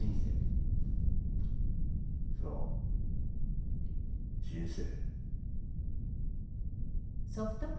そう人生。